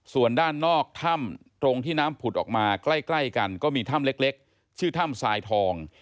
ส่วนด้านนอกถ้ำตรงที่น้ำผุดออกมาใกล้กันก็มีถ้ำเล็กชื่อถ้ำทรายทอง